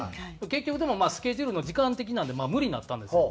結局でもまあスケジュールの時間的なので無理になったんですよ。